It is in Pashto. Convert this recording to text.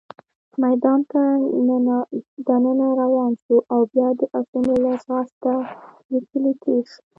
میدان ته دننه روان شوو، او بیا د اسونو له ځغاست لیکې تېر شوو.